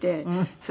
それ。